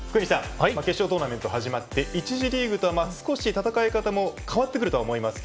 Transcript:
決勝トーナメントが始まって１次リーグとは戦い方も変わってくると思いますが。